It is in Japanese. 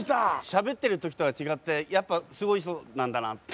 しゃべってる時とは違ってやっぱすごい人なんだなって。